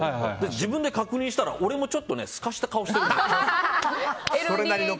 自分で確認したら俺もちょっとすかした顔してるの。